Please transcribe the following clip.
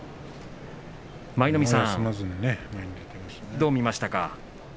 舞の海さん、どう見ましたか？